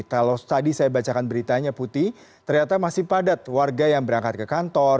kalau tadi saya bacakan beritanya putih ternyata masih padat warga yang berangkat ke kantor